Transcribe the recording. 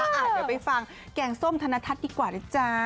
เดี๋ยวไปฟังแกงส้มธนทัศน์ดีกว่านะจ๊ะ